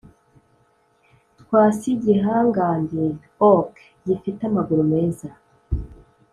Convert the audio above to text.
'twas igihangange oak gifite amaguru meza